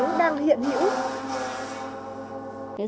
đang hiện hữu